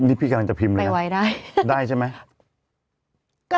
นี่พี่กำลังจะพิมพ์เลยได้ใช่ไหม